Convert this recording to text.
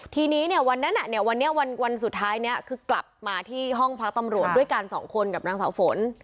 ทีนี้วันนั้นน่ะวันสุดท้ายนี้กลับมาที่ห้องพลักตำรวจด้วยกัน๒คนกับนางสาวฝน